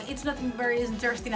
itu tidak menarik untuk rumahnya